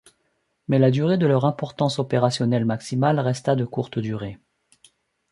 Mais la durée de leur importance opérationnelle maximale resta de courte durée.